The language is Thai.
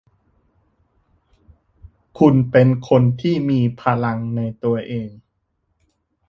คุณเป็นคนที่มีพลังในตัวเอง